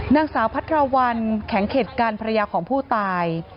นางสาวพัทราวันแข็งเข็ดกันภรรยาของผู้ตาย